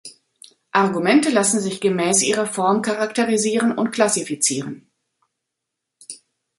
Argumente lassen sich gemäß ihrer Form charakterisieren und klassifizieren.